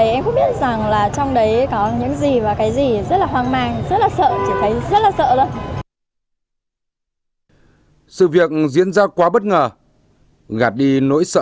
em rất là hoang mang rất là sợ